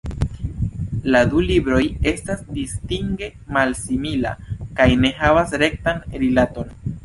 La du libroj estas distinge malsimila kaj ne havas rektan rilaton.